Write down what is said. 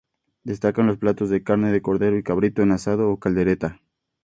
Destacan los platos de carne de cordero y cabrito, en asado o caldereta.